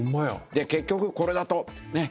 で結局これだとね